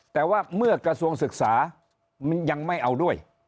แต่ว่าเมื่อกระทรวงศึกษามันยังไม่เอาด้วย